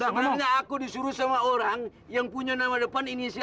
attire jaraknya aku disuruh semua orang yang punya nama depan inisialnya o